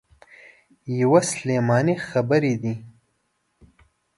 یوه سلماني خبرې دي.